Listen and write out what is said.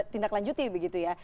tindak lanjuti begitu ya